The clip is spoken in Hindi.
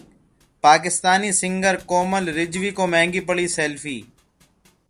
पाकिस्तानी सिंगर कोमल रिजवी को महंगी पड़ी सेल्फी